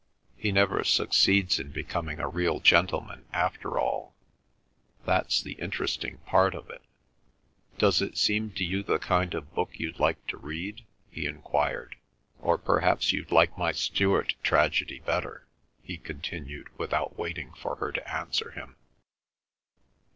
He never succeeds in becoming a real gentleman after all. That's the interesting part of it. Does it seem to you the kind of book you'd like to read?" he enquired; "or perhaps you'd like my Stuart tragedy better," he continued, without waiting for her to answer him.